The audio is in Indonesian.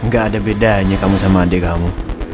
gak ada bedanya kamu sama adik kamu